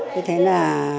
thế thế là